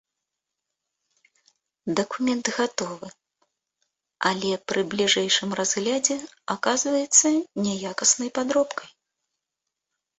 Дакумент гатовы, але пры бліжэйшым разглядзе аказваецца няякаснай падробкай.